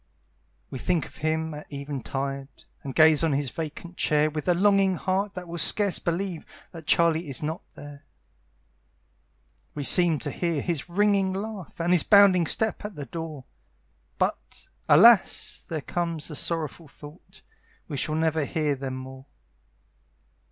We think of him at eventide, And gaze on his vacant chair With a longing heart that will scarce believe That Charlie is not there. We seem to hear his ringing laugh, And his bounding step at the door; But, alas! there comes the sorrowful thought, We shall never hear them more!